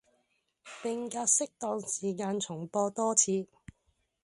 並隔適當時間重播多次